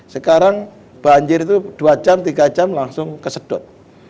sekarang banjir itu dua jam tiga jam langsung kesedot